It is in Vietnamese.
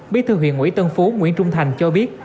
bí thư huyện ủy tân phú nguyễn trung thành cho biết